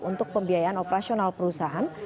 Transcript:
untuk pembiayaan operasional perusahaan